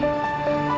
mama ada apa mbak